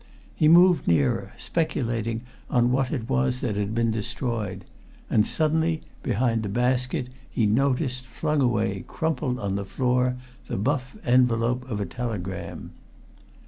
He moved nearer, speculating on what it was that had been destroyed and suddenly, behind the basket, he noticed, flung away, crumpled, on the floor, the buff envelope of a telegram.